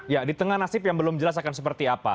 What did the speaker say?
ya di tengah nasib yang belum jelas akan seperti apa